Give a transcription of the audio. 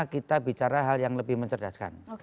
kita bicara hal yang lebih mencerdaskan